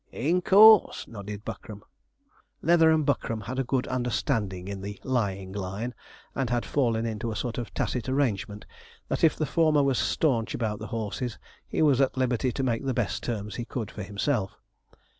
'In course,' nodded Buckram. Leather and Buckram had a good understanding in the lying line, and had fallen into a sort of tacit arrangement that if the former was staunch about the horses he was at liberty to make the best terms he could for himself.